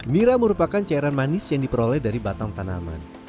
nira merupakan cairan manis yang diperoleh dari batang tanaman